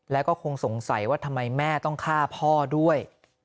แล้วก็คงสงสัยว่าทำไมแม่ต้องฆ่าพ่อด้วย